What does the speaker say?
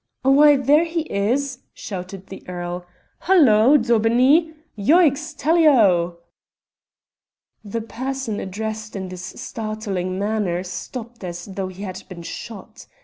"Why, there he is," shouted the earl. "Halloa, Daubeney! Yoicks! Tally ho!" The person addressed in this startling manner stopped as though he had been shot.